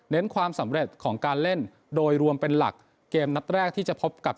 ความสำเร็จของการเล่นโดยรวมเป็นหลักเกมนัดแรกที่จะพบกับ